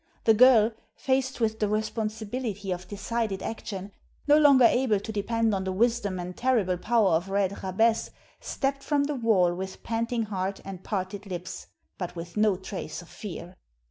The girl, faced with the responsibility of decided action, no longer able to depend on the wisdom and terrible power of Red Jabez, stepped from the wall with panting heart and parted lips, but with no trace of fear.